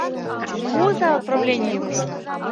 — Пуыза отправленийым!